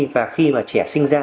và khi trẻ sinh ra